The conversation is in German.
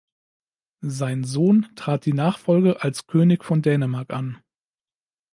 Sein Sohn trat die Nachfolge als König von Dänemark an.